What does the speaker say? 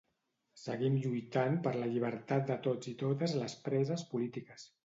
Seguim lluitant per la llibertat de tots i totes les preses polítiques.